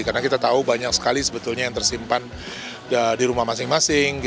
karena kita tahu banyak sekali sebetulnya yang tersimpan di rumah masing masing